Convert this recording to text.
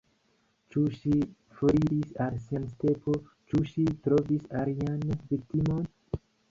Ĉu ŝi foriris al sia stepo, ĉu ŝi trovis alian viktimon?